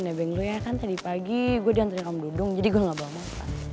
gue nebeng lo ya kan tadi pagi gue diantri kamududung jadi gue gak bawa mas